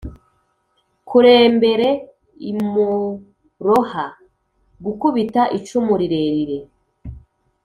. Kurembere imuroha: Gukubita icumu rirerire.